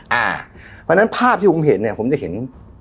เพราะฉะนั้นภาพที่ผมเห็นเนี่ยผมจะเห็น